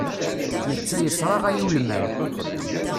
Netta yesraɣay ulman.